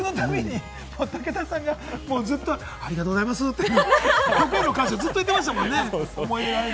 武田さんがずっと「ありがとうございます」って、曲への感謝ずっと言ってましたもんね。